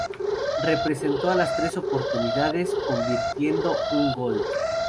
Representó a la en tres oportunidades, convirtiendo un gol.